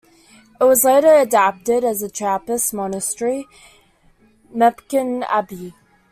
It was later adapted as a Trappist monastery, Mepkin Abbey.